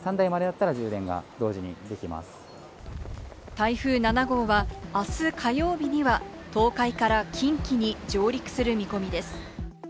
台風７号はあす火曜日には東海から近畿に上陸する見込みです。